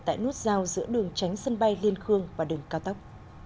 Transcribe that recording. tại nút giao giữa đường tránh sân bay liên khương và đường cao tốc